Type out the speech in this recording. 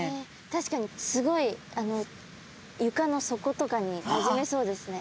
確かにスゴいゆかの底とかになじめそうですね。